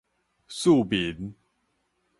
庶民